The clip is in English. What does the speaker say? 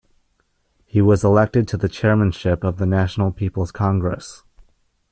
He was elected to the chairmanship of the National People's Congress.